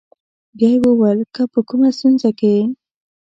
بیا یې وویل: که په کومه ستونزه کې یې.